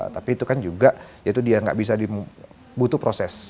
tapi itu kan juga ya itu dia nggak bisa butuh proses